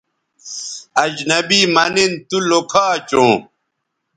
اجنبی مہ نِن تو لوکھا چوں